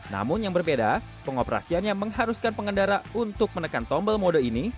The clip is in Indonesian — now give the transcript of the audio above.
namun yang berbeda pengoperasiannya mengharuskan pengendara untuk menekan tombol mode ini